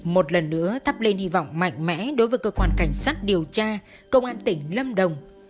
một lần nữa thắp lên hy vọng mạnh mẽ đối với cơ quan cảnh sát điều tra công an tỉnh lâm đồng